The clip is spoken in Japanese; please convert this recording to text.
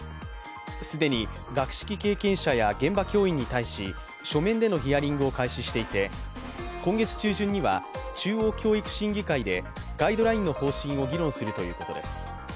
既に学識経験者や現場教員に対し、書面でのヒアリングを開始していて今月中旬には、中央教育審議会でガイドラインの方針を議論するということです。